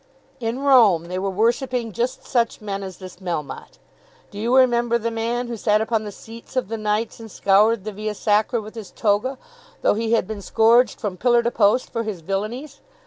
"In Rome they were worshipping just such men as this Melmotte. Do you remember the man who sat upon the seats of the knights and scoured the Via Sacra with his toga, though he had been scourged from pillar to post for his villainies?